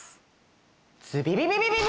ズビビビビビビ！